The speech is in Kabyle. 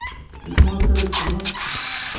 D acu akka ay la d-qqarent?!